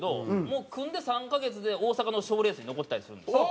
もう組んで３カ月で大阪の賞レースに残ってたりするんですよ。